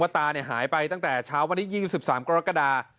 ตาหายไปตั้งแต่เช้าวันที่๒๓กรกฎา